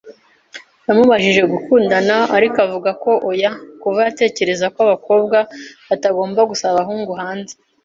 Yamubajije gukundana, ariko avuga ko oya kuva yatekerezaga ko abakobwa batagomba gusaba abahungu hanze.